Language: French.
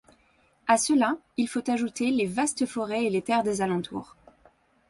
À cela il faut ajouter les vastes forêts et les terres des alentours.